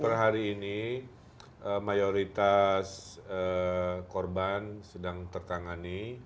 update per hari ini mayoritas korban sedang terkangani